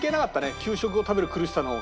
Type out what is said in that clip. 給食を食べる苦しさの方が。